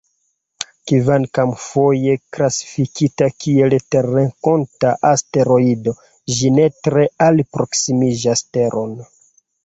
Kvankam foje klasifikata kiel terrenkonta asteroido, ĝi ne tre alproksimiĝas Teron.